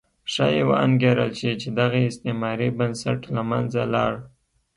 ښایي وانګېرل شي چې دغه استعماري بنسټ له منځه لاړ.